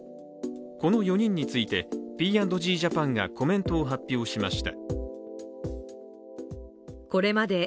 この４人について、Ｐ＆Ｇジャパンがコメントを発表しました。